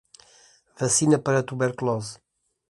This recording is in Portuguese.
Vacina para tuberculose